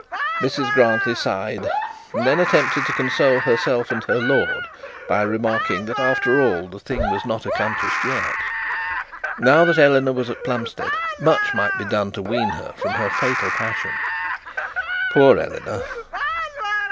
Mrs Grantly sighed, and then attempted to console herself and her lord by remarking that, after all, the thing was not accomplished yet. Now that Eleanor was at Plumstead, much might be done to wean her from her fatal passion. Poor Eleanor!